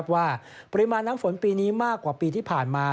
ว่าปริมาณน้ำฝนปีนี้มากกว่าปีที่ผ่านมา